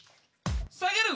下げる！